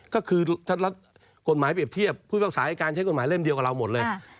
ก็คือถ้ากฎหมายเปรียบเทียบผู้พิพากษาอายการใช้กฎหมายเล่มเดียวกับเราหมดเลย